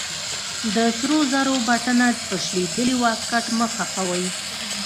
د سرو زرو بټنه په شلېدلې واسکټ مه خښوئ.